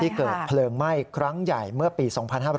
เกิดเพลิงไหม้ครั้งใหญ่เมื่อปี๒๕๕๘